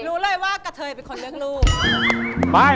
รู้เลยว่ากะเทยเป็นคนเลือกลูก